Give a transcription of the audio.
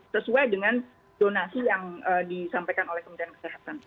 sesuai dengan donasi yang disampaikan oleh kementerian kesehatan